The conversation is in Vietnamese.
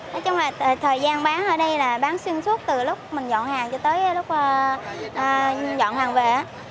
nói chung là thời gian bán ở đây là bán xuyên suốt từ lúc mình nhận hàng cho tới lúc dọn hàng về á